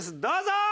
どうぞ！